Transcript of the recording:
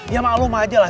ya maklum aja lah